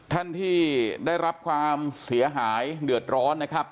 ท่านที่ได้รับความเสียหายเดือดร้อนนะครับ